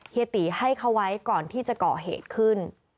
เฮีให้เขาไว้ก่อนที่จะเกาะเหตุขึ้น